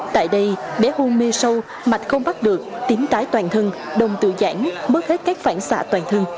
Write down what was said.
tại đây bé hôn mê sâu mạch không bắt được tím tái toàn thân đồng tự giãn mất hết các phản xạ toàn thân